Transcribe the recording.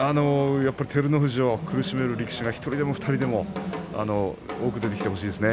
やはり照ノ富士を苦しめる力士、１人でも２人でも出てきてほしいですね。